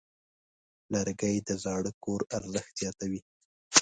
لرګی د زاړه کور ارزښت زیاتوي.